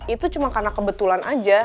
itu cuma karena kebetulan aja